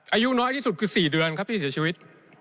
อายุน้อยที่สุดคือ๔เดือนครับที่เสียชีวิต